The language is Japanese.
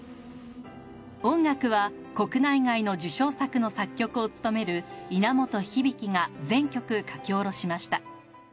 音楽は国内外の受賞作の作曲を務める稲本響が全曲書き下ろしました。